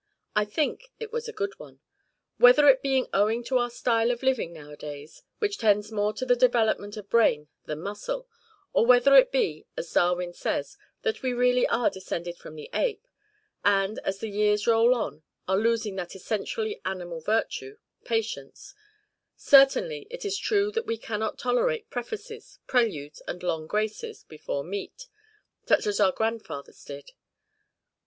I think it was a good one. Whether it be owing to our style of living now a days, which tends more to the development of brain than muscle; or whether it be, as Darwin says, that we really are descended from the ape, and, as the years roll on, are losing that essentially animal virtue patience; certainly it is true that we cannot tolerate prefaces, preludes, and long graces before meat, as our grandfathers did.